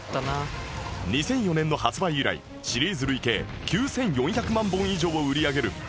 ２００４年の発売以来シリーズ累計９４００万本以上を売り上げる大人気ゲーム